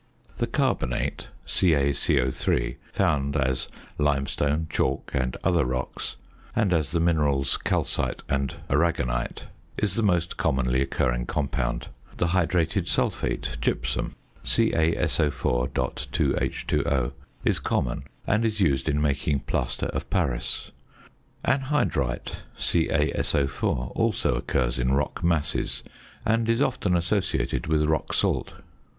The carbonate (CaCO_), found as limestone, chalk, and other rocks, and as the minerals calcite and arragonite, is the most commonly occurring compound. The hydrated sulphate, gypsum (CaSO_.2H_O), is common, and is used in making "plaster of Paris." Anhydrite (CaSO_) also occurs in rock masses, and is often associated with rock salt.